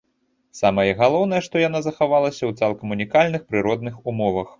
Самае галоўнае, што яна захавалася ў цалкам унікальных прыродных умовах.